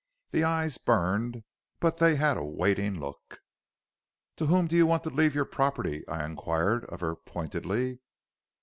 The eyes burned, but they had a waiting look. "'To whom do you want to leave your property?' I inquired of her pointedly.